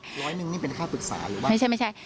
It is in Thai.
ร้อยหนึ่งนี่เป็นค่าปรึกษาหรือว่า